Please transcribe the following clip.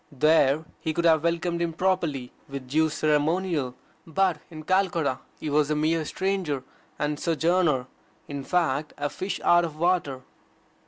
There he could have welcomed him properly with due ceremonial. But in Calcutta he was a mere stranger and sojourner in fact a fish out of water.